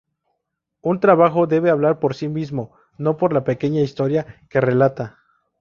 Un trabajo debe hablar por sí mismo, no por la pequeña historia que relata.